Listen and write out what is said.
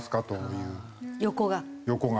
横が？